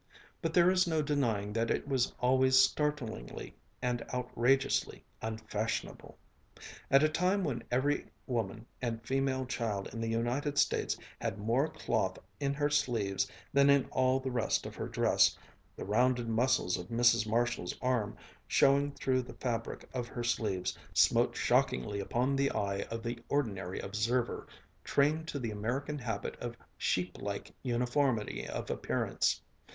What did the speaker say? But there is no denying that it was always startlingly and outrageously unfashionable. At a time when every woman and female child in the United States had more cloth in her sleeves than in all the rest of her dress, the rounded muscles of Mrs. Marshall's arm, showing through the fabric of her sleeves, smote shockingly upon the eye of the ordinary observer, trained to the American habit of sheep like uniformity of appearance.